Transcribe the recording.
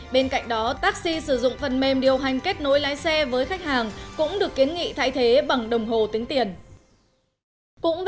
bên cạnh đó taxi sử dụng phần mềm điều hành kết nối lái xe với khách hàng cũng được kiến nghị thay thế bằng đồng hồ tính tiền